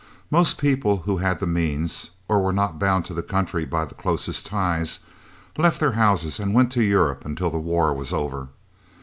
Most people who had the means, or were not bound to the country by the closest ties, let their houses and went to Europe until the war was over.